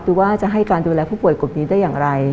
หรือว่าจะให้การดูแลผู้ป่วยกลุ่มนี้ได้อย่างไร